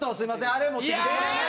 あれ持ってきてもらえますか？